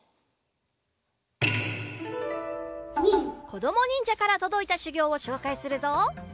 こどもにんじゃからとどいたしゅぎょうをしょうかいするぞ！